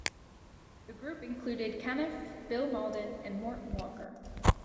The group included Caniff, Bill Mauldin and Mort Walker.